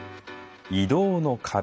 移動の壁。